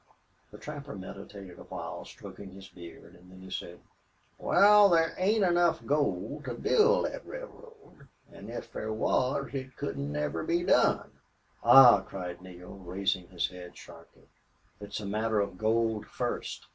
The trapper meditated a while, stroking his beard, and then he said: "Wal, thar ain't enough gold to build thet railroad an' if thar was it couldn't never be done!" "Ah!" cried Neale, raising his head sharply. "It's a matter of gold first.